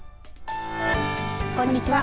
こんにちは。